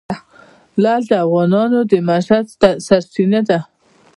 لعل د افغانانو د معیشت سرچینه ده.